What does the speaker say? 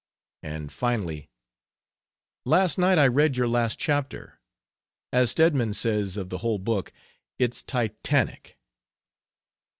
and, finally, "Last night I read your last chapter. As Stedman says of the whole book, it's titanic."